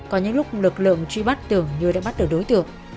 có những lúc lực lượng truy bắt tưởng như đã bắt được đối tượng